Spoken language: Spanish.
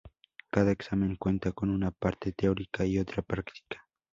Cada examen cuenta con una parte teórica y otra práctica.